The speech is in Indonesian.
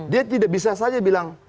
dia tidak bisa saja bilang